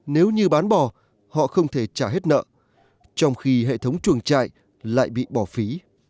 nếu như bán bò họ không thể trả hết nợ trong khi hệ thống chuồng trại lại bị bỏ phí